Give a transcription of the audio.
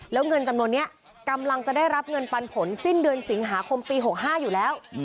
แล้วเงินจำนวนนี้กำลังจะได้รับเงินปันผลสิ้นเดือนสิงหาคมปี๖๕อยู่แล้ว